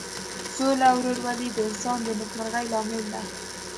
سوله او ورورولي د انسانانو د نیکمرغۍ لامل ده.